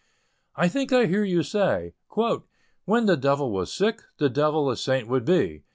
I think I hear you say "When the devil was sick, The devil a saint would be.